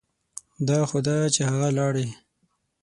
دا خو ده چې هغه لاړې.